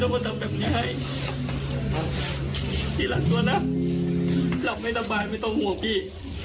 พี่รักตัวนะรักไม่ตะบายไม่ต้องห่วงพี่